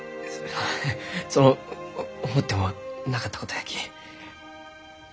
その思ってもなかったことやき。